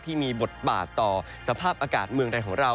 ที่มีบทบาทต่อสภาพอากาศเมืองใดของเรา